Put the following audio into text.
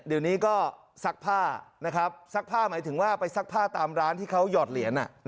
เดี๋ยวนี้ก็ซักผ้านะครับซักผ้าหมายถึงว่าไปซักผ้าตามร้านที่เขาหยอดเหรียญ